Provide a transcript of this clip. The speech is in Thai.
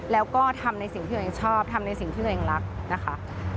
แล้วก็ทำในสิ่งที่ตัวเองชอบทำในสิ่งที่ตัวเองรักนะคะ